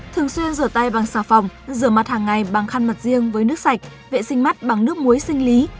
thường xuyên rửa tay bằng xà phòng rửa mặt hàng ngày bằng khăn mặt riêng với nước sạch vệ sinh mắt bằng nước muối sinh lý